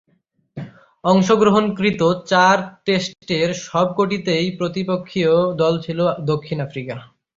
অংশগ্রহণকৃত চার টেস্টের সবকটিতেই প্রতিপক্ষীয় দল ছিল দক্ষিণ আফ্রিকা।